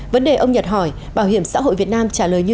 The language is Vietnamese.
vấn đề ông nhật hỏi bảo hiểm xã hội việt nam